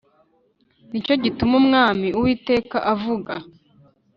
Ni cyo gituma Umwami Uwiteka avuga